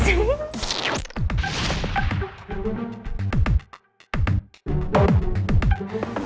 masih lama gak